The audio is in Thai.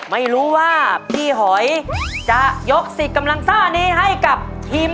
ไม่รู้ว่าพี่หอยจะยกสิทธิ์กำลังซ่านี้ให้กับทีม